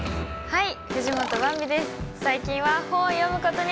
はい。